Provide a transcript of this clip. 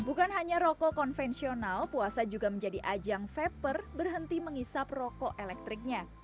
bukan hanya rokok konvensional puasa juga menjadi ajang vaper berhenti menghisap rokok elektriknya